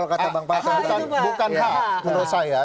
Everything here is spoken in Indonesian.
bukan hak menurut saya